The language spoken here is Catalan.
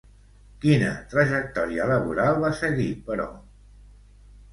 Quina trajectòria laboral va seguir, però?